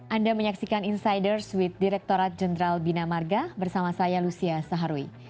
anda menyaksikan insiders with direkturat jenderal bina marga bersama saya lucia saharwi